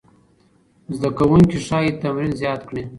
زده کوونکي ښايي تمرین زیات کړي.